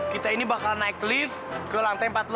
kita ini bakal naik lift ke lantai empat belas